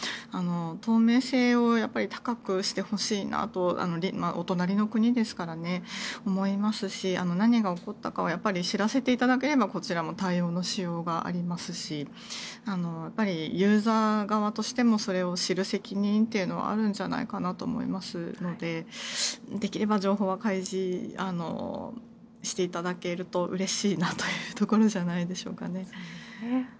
透明性を高くしてほしいなとお隣の国ですからねそう思いますし何が起こったかは知らせていただければこちらも対応のしようがありますしやっぱり、ユーザー側としてもそれを知らせる責任というのはあるんじゃないかなと思いますのでできれば、情報は開示していただけるとうれしいなというところじゃないでしょうかね。